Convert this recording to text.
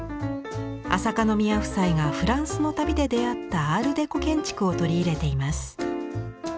朝香宮夫妻がフランスの旅で出会ったアール・デコ建築を取り入れています。